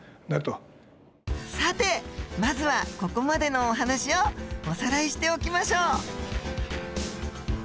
さてまずはここまでのお話をおさらいしておきましょう。